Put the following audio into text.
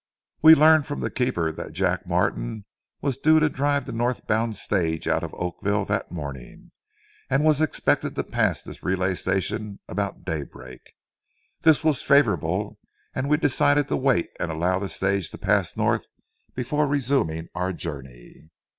We learned from the keeper that Jack Martin was due to drive the north bound stage out of Oakville that morning, and was expected to pass this relay station about daybreak. This was favorable, and we decided to wait and allow the stage to pass north before resuming our journey.